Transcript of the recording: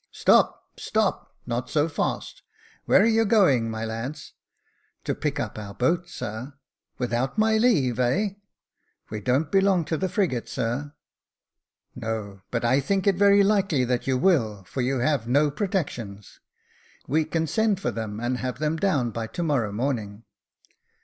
" Stop — stop — not so fast. Where are you going, my lads ?"" To pick up our boat, sir." " Without my leave, heh ?"We don't belong to the frigate, sir.^' "No; but I think it very likely that you will, for you have no protections." *' We can send for them, and have them down by to morrow morning."